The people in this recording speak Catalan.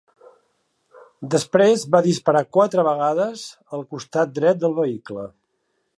Després va disparar quatre vegades al costat dret del vehicle.